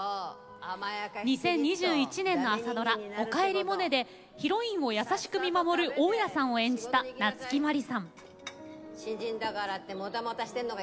２０２１年の朝ドラ「おかえりモネ」でヒロインを優しく見守る大家さんを演じた夏木マリさん。